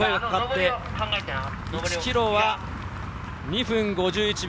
１ｋｍは２分５１秒。